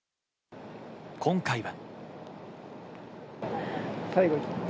今回は。